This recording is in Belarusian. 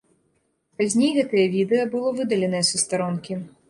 Пазней гэтае відэа было выдаленае са старонкі.